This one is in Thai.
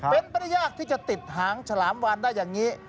เป็นไปได้ยากที่จะติดหางฉลามวานได้อย่างนี้